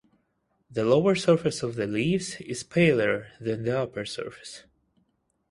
The lower surface of the leaves is paler than the upper surface.